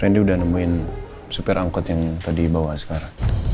ren udah nemuin supir angkut yang tadi bawa askara